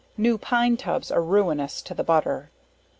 New pine tubs are ruinous to the butter.